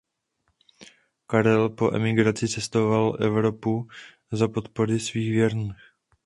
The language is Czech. Karel po emigraci cestoval Evropou za podpory svých věrných.